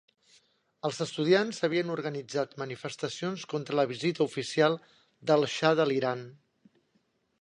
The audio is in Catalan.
Els estudiants havien organitzat manifestacions contra la visita oficial del Xa de l'Iran.